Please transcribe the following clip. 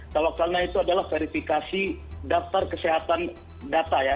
tawakalna itu adalah verifikasi daftar kesehatan data ya